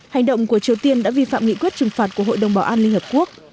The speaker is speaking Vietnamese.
hành động của triều tiên đã vi phạm nghị quyết trừng phạt của hội đồng bảo an liên hợp quốc